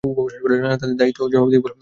তাদের দায়দায়িত্ব ও জবাবদিহি বলে কিছু কি নেই?